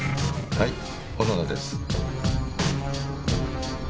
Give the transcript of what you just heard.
はい小野田です。